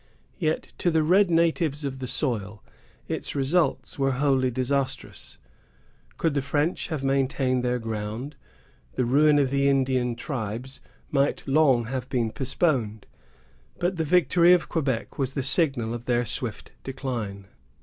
Yet to the red natives of the soil its results were wholly disastrous. Could the French have maintained their ground, the ruin of the Indian tribes might long have been postponed; but the victory of Quebec was the signal of their swift decline.